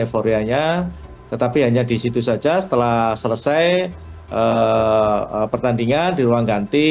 euforianya tetapi hanya di situ saja setelah selesai pertandingan di ruang ganti